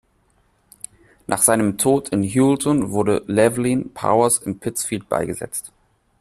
Nach seinem Tod in Houlton wurde Llewellyn Powers in Pittsfield beigesetzt.